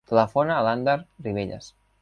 Telefona a l'Ander Ribelles.